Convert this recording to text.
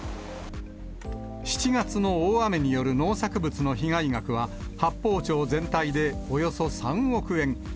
７月の大雨による農作物の被害額は、八峰町全体でおよそ３億円。